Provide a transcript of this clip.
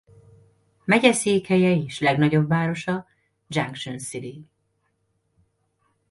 Megyeszékhelye és legnagyobb városa Junction City.